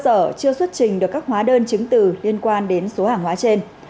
tổ chức xuất trình được các hóa đơn chứng từ liên quan đến số hàng hóa trên